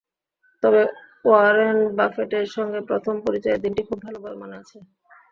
তবে ওয়ারেন বাফেটের সঙ্গে প্রথম পরিচয়ের দিনটি খুব ভালোভাবে মনে আছে।